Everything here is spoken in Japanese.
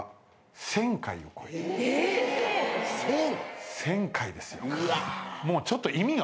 １，０００回ですよ。